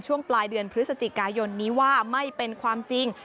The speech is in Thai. ช่วงปลายเดือนพฤศจิกายนนี้ว่าไม่เป็นความจริง